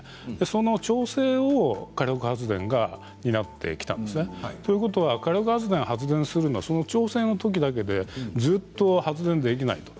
その調整を火力発電が担ってきたんですね。ということは火力発電は発電する調整のときだけでずっと発電できない。